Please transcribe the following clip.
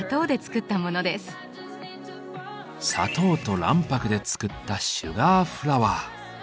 砂糖と卵白で作った「シュガーフラワー」。